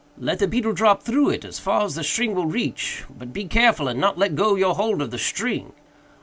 "Let the beetle drop through it, as far as the string will reach—but be careful and not let go your hold of the string."